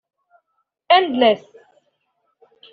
Endless